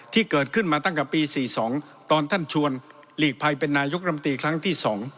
ที่เกิดขึ้นมาตั้งแต่ปี๔๒ตอนท่านชวนหลีกภัยเป็นนายกรัมตีครั้งที่๒